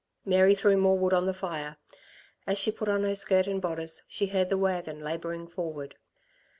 Mary threw more wood on the fire. As she put on her skirt and bodice, she heard the wagon labouring, forward.